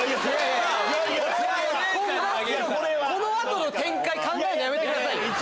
この後の展開考えるのやめてください！